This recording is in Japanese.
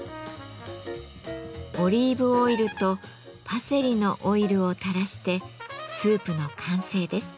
オリーブオイルとパセリのオイルをたらしてスープの完成です。